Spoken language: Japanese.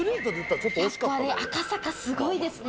やっぱ赤坂すごいですね。